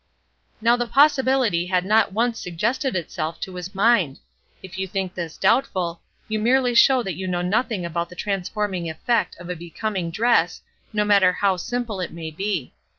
Now the possibility had not once suggested itself to his mind. If you think this doubtful, you merely show that you know nothing about the transforming effect of a becoming dress, no matter how simple it may be.